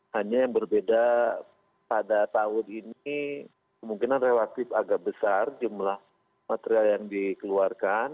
hanya yang berbeda pada tahun ini kemungkinan relatif agak besar jumlah material yang dikeluarkan